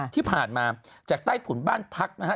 ที่ผ่านมาจากใต้ถุนบ้านพักนะฮะ